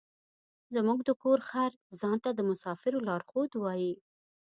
زموږ د کور خر ځان ته د مسافرو لارښود وايي.